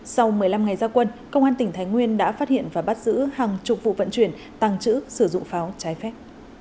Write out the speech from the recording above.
sau một mươi năm ngày gia quân công an tỉnh thái nguyên đã phát hiện và bắt giữ hàng chục vụ vận chuyển tăng trữ sử dụng pháo trái phép